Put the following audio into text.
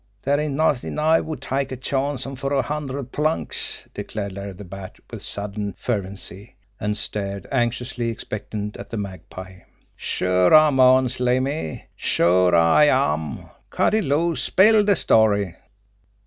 "Dere ain't nothin' I wouldn't take a chance on fer a hundred plunks!" declared Larry the Bat, with sudden fervency and stared, anxiously expectant, at the Magpie. "Sure, I'm on Slimmy! Sure, I am! Cut it loose! Spill de story!"